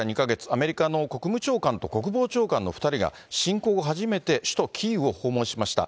アメリカの国務長官と国防長官の２人が侵攻後初めて、首都キーウを訪問しました。